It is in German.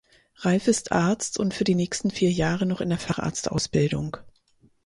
Ralf ist Arzt und für die nächsten vier Jahre noch in der Facharztausbildung.